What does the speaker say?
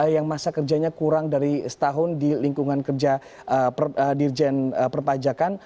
yang masa kerjanya kurang dari setahun di lingkungan kerja dirjen perpajakan